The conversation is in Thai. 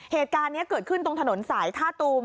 เหตุการณ์นี้เกิดขึ้นตรงถนนสายท่าตูม